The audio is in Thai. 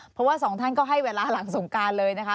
เพราะว่าสองท่านก็ให้เวลาหลังสงการเลยนะคะ